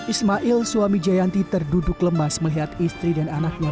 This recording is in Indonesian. ismail suami jayanti terduduk lemas melihat istri dan anaknya